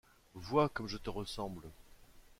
Vois comme je te ressemble.